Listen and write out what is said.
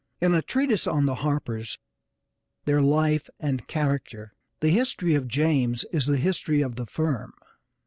In a treatise on the Harpers, their life and character, the history of James is the history of the firm.